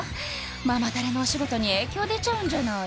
ママタレのお仕事に影響出ちゃうんじゃない？